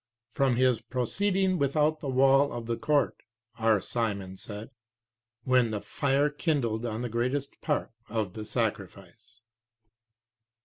"From his proceeding without the wall of the court." R. Simon said, "when the fire kindled on the greatest part" (of the sacrifice).